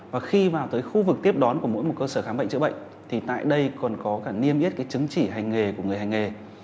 và khi vào tới khu vực tiếp đón của mỗi một cơ sở khám bệnh chữa bệnh thì tại đây còn có cả niêm yết chứng chỉ hành nghề của người hành nghề